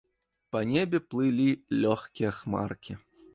Па небе плылі лёгкія хмаркі.